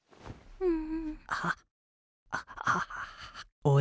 うん。